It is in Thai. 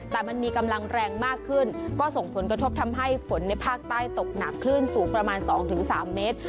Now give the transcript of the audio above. แต่มันมีกำลังแรงมากขึ้นก็ส่งผลกระทบทำให้ฝนในภาคใต้ตกหนักคลื่นสูงประมาณ๒๓เมตร